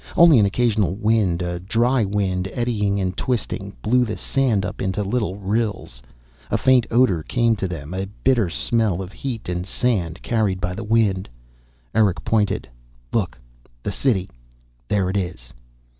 Only an occasional wind, a dry wind eddying and twisting, blew the sand up into little rills. A faint odor came to them, a bitter smell of heat and sand, carried by the wind. Erick pointed. "Look. The City There it is."